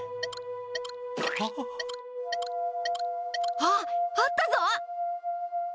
あっあったぞ！